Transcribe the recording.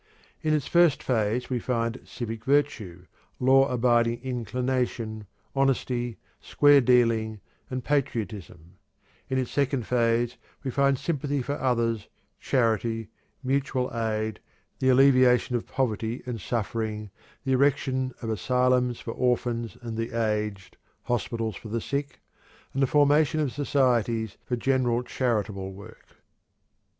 In its first phase we find civic virtue, law abiding inclination, honesty, "square dealing," and patriotism; in its second phase we find sympathy for others, charity, mutual aid, the alleviation of poverty and suffering, the erection of asylums for orphans and the aged, hospitals for the sick, and the formation of societies for general charitable work.